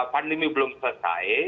pandemi belum selesai